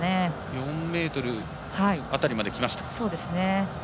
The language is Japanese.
４ｍ辺りまできました。